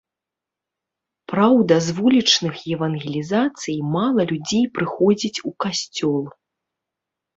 Праўда, з вулічных евангелізацый мала людзей прыходзіць у касцёл.